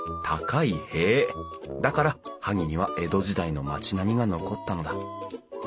だから萩には江戸時代の町並みが残ったのだ。